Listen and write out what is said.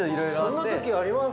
そんなときあります？